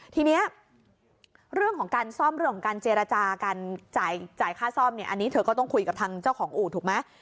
ทีนี้เรื่องของการซ่อมเรื่องของการเจรจาการจ่ายค่าซ่อมเนี่ยอันนี้เธอก็ต้องคุยกับทางเจ้าของอู่ถูกไหม